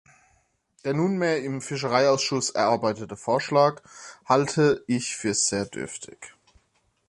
Den nunmehr im Fischereiausschuss erarbeiteten Vorschlag halte ich für sehr dürftig.